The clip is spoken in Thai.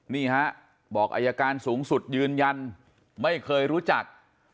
นี่ฮะบอกอายการสูงสุดยืนยันไม่เคยรู้จัก